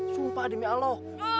sumpah demi allah